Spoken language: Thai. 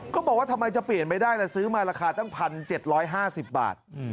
ก็บอกว่าทำไมจะเปลี่ยนไม่ได้ล่ะซื้อมาราคาตั้ง๑๗๕๐บาท